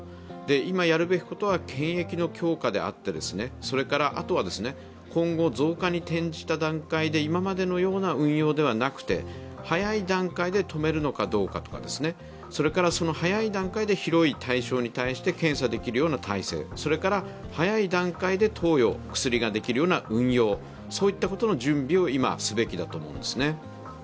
今やるべきことは検疫の強化であってそれからあとは、今後増加に転じた段階で今までのような運用ではなくて、早い段階で止めるのかどうかとか、それからその早い段階で広い対象に対して検査できるような体制、それから早い段階で薬を投与できるような運用、そういったことの準備を今すべきだと思うんですね。